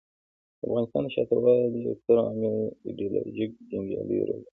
د افغانستان د شاته پاتې والي یو ستر عامل ایډیالوژیک جنګیالیو روزنه ده.